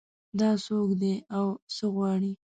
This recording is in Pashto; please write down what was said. دا څوک ده او څه غواړي